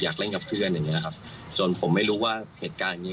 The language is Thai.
เล่นกับเพื่อนอย่างเงี้ยครับจนผมไม่รู้ว่าเหตุการณ์อย่างงี้